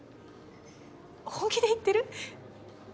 本気で言ってる？